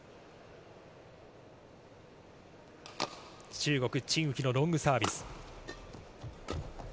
中国チン・ウヒのロングサービス。